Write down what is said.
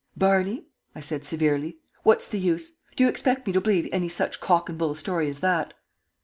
"Barney," I said, severely, "what's the use? Do you expect me to believe any such cock and bull story as that?"